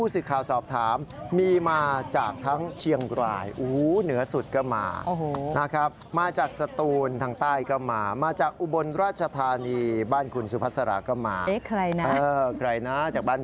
สุภัสราก็มาเอ๊ะเคยนะเคยนะจากบ้านคุณนะครับ